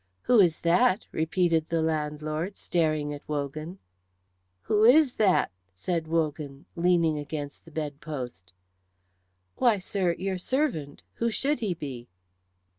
"Who is that?" repeated the landlord, staring at Wogan. "Who is that?" said Wogan, leaning against the bed post. "Why, sir, your servant. Who should he be?"